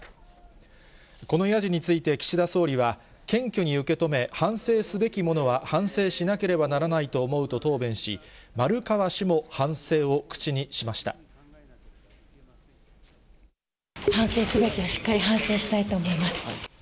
このやじについて岸田総理は、謙虚に受け止め、反省すべきものは反省しなければならないと思うと答弁し、丸川氏反省すべきはしっかり反省したいと思います。